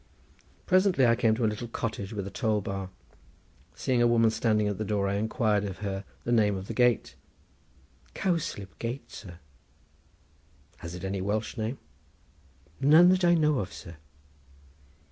Presently I came to a little cottage with a toll bar. Seeing a woman standing at the door, I inquired of her the name of the gate. "Cowslip Gate, sir." "Has it any Welsh name?" "None that I know of, sir."